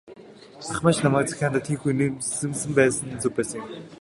Ах маань ч намайг захиандаа тийнхүү зэмлэсэн байсан нь зөв байсан юм.